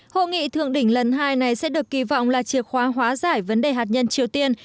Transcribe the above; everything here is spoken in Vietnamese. hội nghị thượng đỉnh lần hai này sẽ được kỳ vọng là chìa khóa hóa giải vấn đề hạt nhân triều tiên